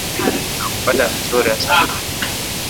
nakupata vizuri asante sana nickson na siku njema